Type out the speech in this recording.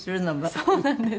そうなんです。